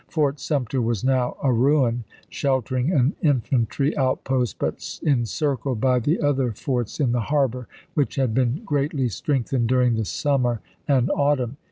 Fort Sumter was now a ruin, sheltering an infantry outpost, but encircled by the other forts in the harbor, which had been greatly strengthened during the summer and autumn.